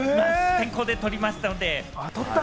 先行で取りましたので。